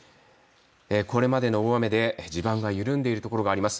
これまでの大雨で地盤が緩んでいるところがあります。